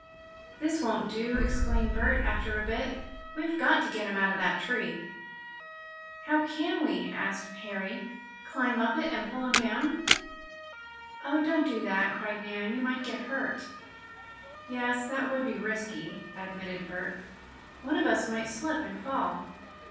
"This won't do!" exclaimed Bert, after a bit. "We've got to get him out of that tree." "How can we?" asked Harry. "Climb up it, and pull him down?" "Oh, don't do that!" cried Nan. "You might get hurt." "Yes, that would be risky," admitted Bert. "One of us might slip and fall.